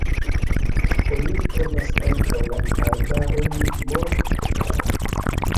Oni trovas ankaŭ la arbaron Mort-Mare.